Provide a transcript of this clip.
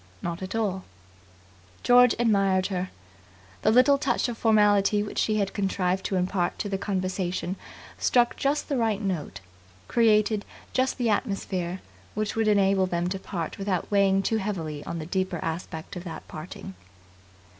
"Not at all." George admired her. The little touch of formality which she had contrived to impart to the conversation struck just the right note, created just the atmosphere which would enable them to part without weighing too heavily on the deeper aspect of that parting.